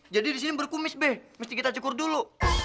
jadi di sini berkumis be mesti kita cukur dulu